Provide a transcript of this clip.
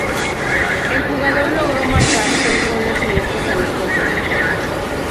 El jugador logró marcar tres goles en estos amistosos.